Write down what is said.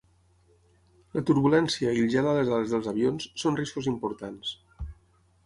La turbulència i el gel a les ales dels avions són riscos importants.